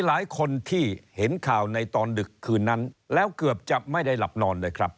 หลายคนที่เห็นข่าวในตอนดึกคืนนั้นแล้วเกือบจะไม่ได้หลับนอนเลยครับ